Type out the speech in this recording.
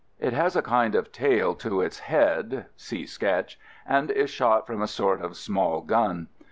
It has a kind of tail to its head (see sketch) and is shot from a sort 'of small gun.